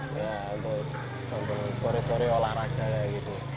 ya atau sambil olahraga kayak gitu